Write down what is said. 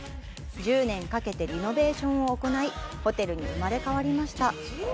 １０年かけてリノベーションを行いホテルに生まれ変わりました。